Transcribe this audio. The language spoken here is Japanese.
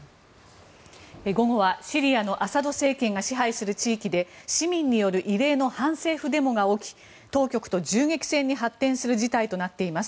午後はシリアのアサド政権が支配する地域で市民による異例の反政府デモが起き当局と銃撃戦に発展する事態となっています。